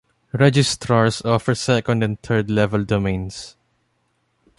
Registrars offer second and third level domains.